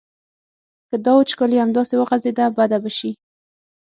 که دا وچکالي همداسې وغځېده بده به شي.